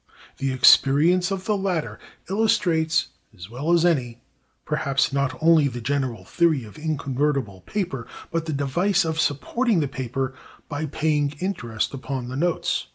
The experience of the latter illustrates as well as any, perhaps, not only the general theory of inconvertible paper, but the device of supporting the paper by paying interest upon the notes.